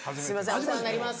お世話になります。